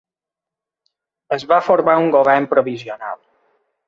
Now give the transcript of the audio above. Es va formar un govern provisional.